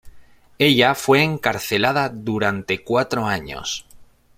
Ella fue encarcelada durante cuatro años.